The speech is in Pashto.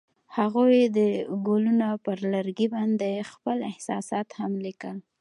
هغوی د ګلونه پر لرګي باندې خپل احساسات هم لیکل.